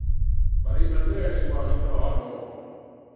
But even this was not all.